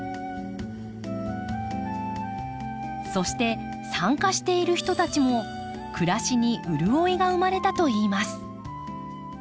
そして参加している人たちも暮らしに潤いが生まれたといいます。